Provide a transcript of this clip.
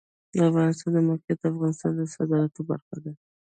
د افغانستان د موقعیت د افغانستان د صادراتو برخه ده.